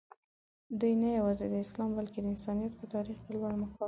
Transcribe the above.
دوي نه یوازې د اسلام بلکې د انسانیت په تاریخ کې لوړ مقام لري.